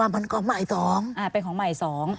เป็นของใหม่๒